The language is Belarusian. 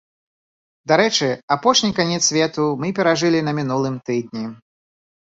Дарэчы, апошні канец свету мы перажылі на мінулым тыдні.